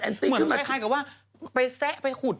เหมือนใช้คาให้กับว่าไปแซ๊อะไปขุด